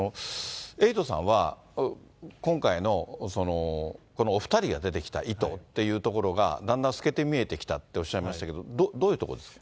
エイトさんは、今回のお２人が出てきた意図っていうところが、だんだん透けて見えてきたっておっしゃいましたけれども、どういうところですか。